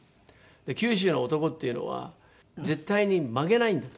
「九州の男っていうのは絶対に曲げないんだ」と。